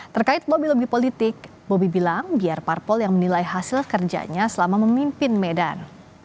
terkait lobby lobby politik bobi bilang biar parpol yang menilai hasil kerjanya selama memimpin medan